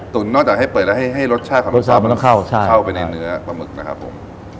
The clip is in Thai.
ตุ๋นนอกจากให้เปื่อยแล้วให้รสชาติของมันเข้าไปในเนื้อปลาหมึกนะครับผม